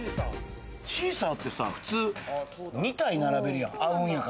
シーサーってさ、普通２体並べるやん。